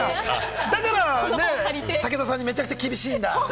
だから武田さんにめちゃくちゃ厳しいんだ。